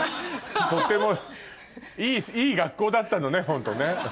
とてもいい学校だったのねホントね。